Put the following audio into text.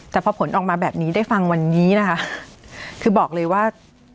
แต่พอผลออกมาแบบนี้ได้ฟังวันนี้นะคะคือบอกเลยว่า